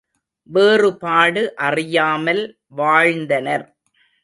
வேறுபாடு அறியாமல் வாழ்ந்தனர்.